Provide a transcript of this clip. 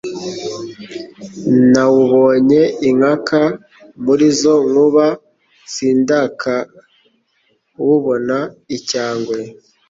nawubonye inkaka muri izo nkuba, sindakawubona icyangwe